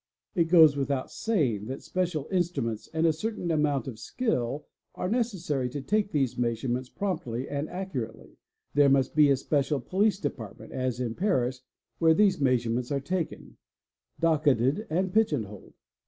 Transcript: It goes without saying that special instruments and a certain amount of skill are necessary to take these measurements promptly and accu — rately; there must be a special police department, as in Paris, where x these measurements are taken, docketed, and pigeonholed.